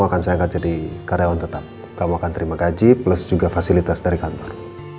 akan saya angkat jadi karyawan tetap kamu akan terima gaji plus juga fasilitas dari kantor